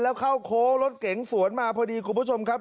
แล้วเข้าโค้งรถเก๋งสวนมาพอดีคุณผู้ชมครับ